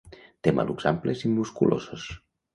Té malucs amples i musculosos.